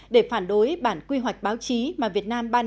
để phản đối bản quy hoạch báo chí mà việt nam ban hành